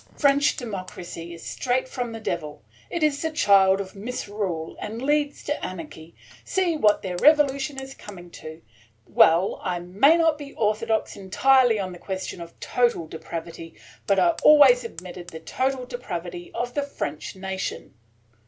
"French democracy is straight from the Devil. It 's the child of misrule, and leads to anarchy. See what their revolution is coming to. Well, I may not be orthodox entirely on the question of total depravity, but I always admitted the total depravity of the French nation."